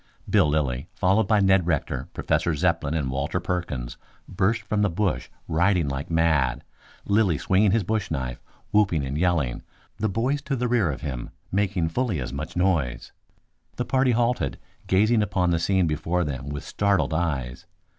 Bill Lilly, followed by Ned Rector, Professor Zepplin and Walter Perkins burst from the bush riding like mad, Lilly swinging his bush knife, whooping and yelling, the boys to the rear of him making fully as much noise. The party halted, gazing upon the scene before them with startled eyes.